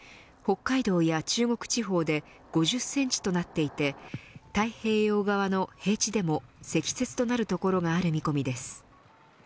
北海道や中国地方で５０センチとなっていて太平洋側の平地でも積雪となる所がある見込みです。